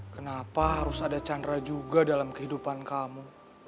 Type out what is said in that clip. kenapa harus ada chandra juga dalam kehidupan kamu